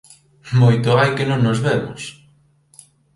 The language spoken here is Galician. Moito hai que non nos vemos...